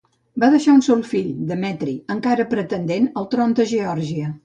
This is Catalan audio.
Va deixar un sol fill, Demetri, encara pretendent al tron de Geòrgia.